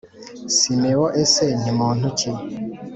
Simeon ese nti muntu ki